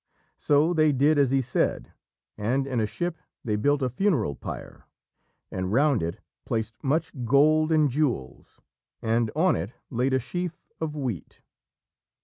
So they did as he said, and in a ship they built a funeral pyre, and round it placed much gold and jewels, and on it laid a sheaf of wheat.